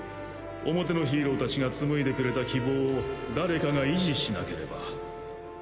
表のヒーロー達が紡いでくれた希望を誰かが維持しなければ。